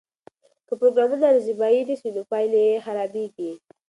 که پروګرامونه ارزیابي نسي نو پایلې یې خرابیږي.